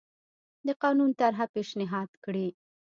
د قانون طرحه پېشنهاد کړي.